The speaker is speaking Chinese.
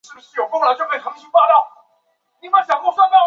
她在家中四名兄弟姊妹艾德娜之中排行最小。